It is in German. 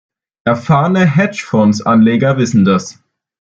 Erfahrene Hedge-Fonds-Anleger wissen das.